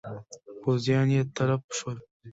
پوځیان یې تلف شول.